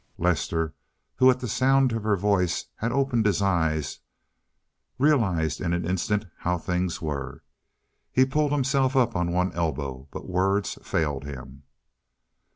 Lester, who at the sound of her voice had opened his eyes, realized in an instant how things were. He pulled himself up on one elbow, but words failed him.